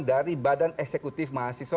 dari badan eksekutif mahasiswa